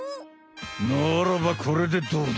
ならばこれでどうだ！